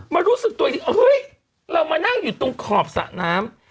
มารู้สึกตัวจริงเฮ้ยเรามานั่งอยู่ตรงขอบสนาม